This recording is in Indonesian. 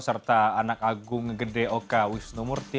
serta anak agung gede oka wisnu murti